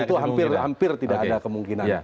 itu hampir tidak ada kemungkinan